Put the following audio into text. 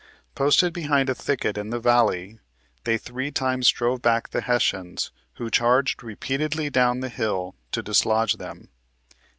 Posted behind a thicket in the valley, they three times drove back the Hessians, who charged repeatedly down the hill to dislodge them."